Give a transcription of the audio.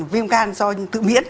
viêm gan do tự biến